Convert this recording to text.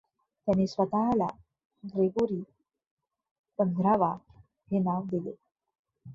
त्याने स्वतःला ग्रेगोरी पंधरावा हे नाव दिले.